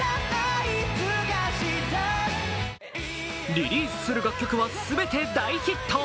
リリースする楽曲は全て大ヒット。